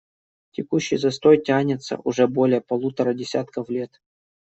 Текущий застой тянется уже более полутора десятков лет.